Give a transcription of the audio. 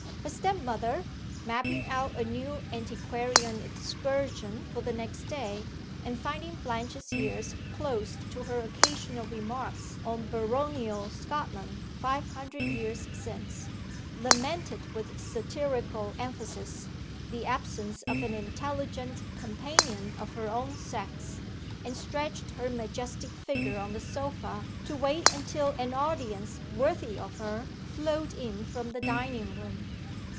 Her step mother mapping out a new antiquarian excursion for the next day, and finding Blanche's ears closed to her occasional remarks on baronial Scotland five hundred years since lamented, with satirical emphasis, the absence of an intelligent companion of her own sex; and stretched her majestic figure on the sofa to wait until an audience worthy of her flowed in from the dining room.